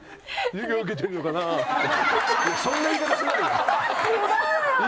そんな言い方してないでしょ。